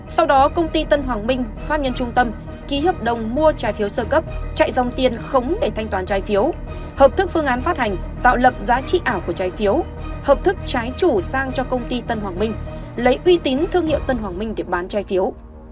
sau đó công ty tân hoàng minh phát nhân trung tâm ký hợp đồng mua trái phiếu sơ cấp chạy dòng tiền khống để thanh toán trái phiếu hợp thức phương án phát hành tạo lập giá trị ảo của trái phiếu hợp thức trái chủ sang cho công ty tân hoàng minh lấy uy tín thương hiệu tân hoàng minh để bán trái phiếu